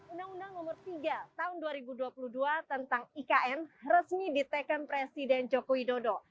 undang undang nomor tiga tahun dua ribu dua puluh dua tentang ikn resmi diteken presiden joko widodo